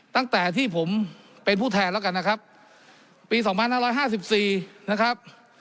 ตั้งแต่ที่ผมเป็นผู้แทนแล้วกันนะครับปีสองพันห้าร้อยห้าสิบสี่นะครับ